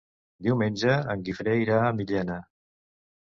Diumenge en Guifré irà a Millena.